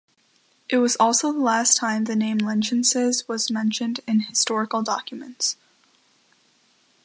It was also the last time the name Lentienses was mentioned in historical documents.